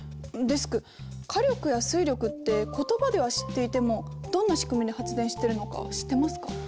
デスク火力や水力って言葉では知っていてもどんな仕組みで発電してるのか知ってますか？